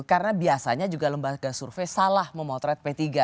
karena biasanya juga lembaga survei salah memotret p tiga